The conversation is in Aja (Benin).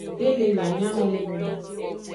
De le nyanyamenung o.